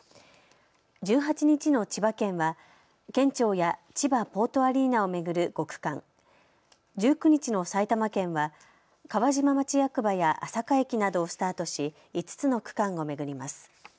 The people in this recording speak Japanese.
１８日の千葉県は県庁や千葉ポートアリーナを巡る５区間、１９日の埼玉県は川島町役場や朝霞駅などをスタートし、５つの区間を巡ります。